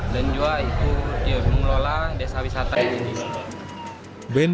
dan juga itu mengelola desa wisatawan ini